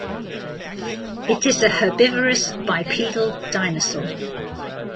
It is a herbivorous bipedal dinosaur.